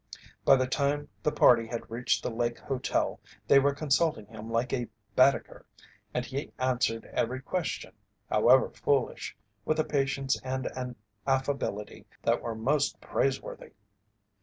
By the time the party had reached the Lake Hotel they were consulting him like a Baedeker, and he answered every question, however foolish, with a patience and an affability that were most praiseworthy.